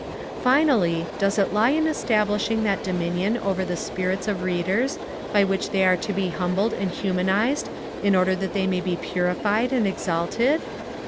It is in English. Finally, does it lie in establishing that dominion over the spirits of readers by which they are to be humbled and humanized, in order that they may be purified and exalted?